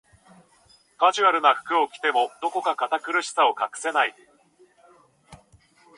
カジュアルな服を着ても、どこか堅苦しさは隠せない